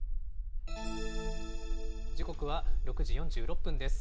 時刻は６時４６分です。